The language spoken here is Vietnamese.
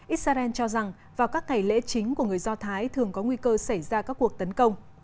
israel cho rằng vào các ngày lễ chính của người do thái thường có nguy cơ xảy ra các cuộc tấn công